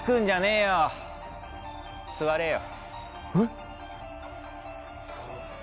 座れよ。